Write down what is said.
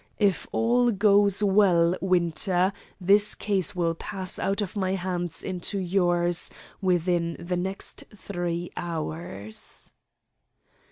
If all goes well, Winter, this case will pass out of my hands into yours within the next three hours."